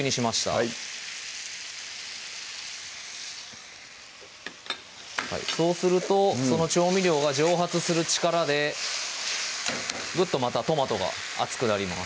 はいそうするとその調味料が蒸発する力でグッとまたトマトが熱くなります